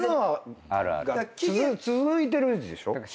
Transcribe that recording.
続いてるでしょ？